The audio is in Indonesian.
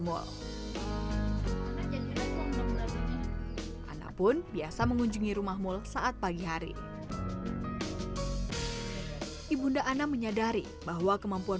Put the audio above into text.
mulyono pun biasa mengunjungi rumah mul saat pagi hari ibunda ana menyadari bahwa kemampuan